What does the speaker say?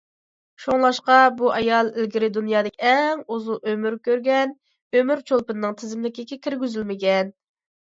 شۇڭلاشقا بۇ ئايال ئىلگىرى دۇنيادىكى ئەڭ ئۇزۇن كۆرگەن ئۆمۈر چولپىنىنىڭ تىزىملىكىگە كىرگۈزۈلمىگەن.